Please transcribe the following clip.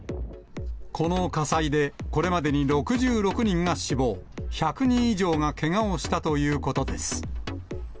この火災で、これまでに６６人が死亡、１００人以上がけがをしたということです。